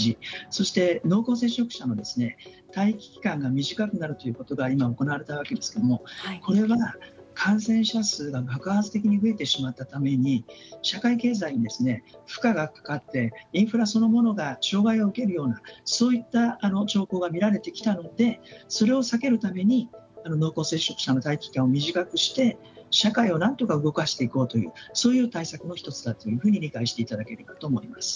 そして、濃厚接触者の待機期間が短くなるということが今、行われたわけですけどこれは感染者数が爆発的に増えてしまったために社会経済に負荷がかかってインフラそのものが障害を受けるようなそういった兆候がみられてきたのでそれを避けるために濃厚接触者の待機期間を短くして社会をなんとか動かしていこうというそういう対策の１つだと理解していただければと思います。